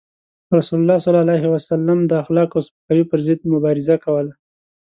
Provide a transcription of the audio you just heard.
رسول الله صلى الله عليه وسلم د اخلاقو او سپکاوي پر ضد مبارزه کوله.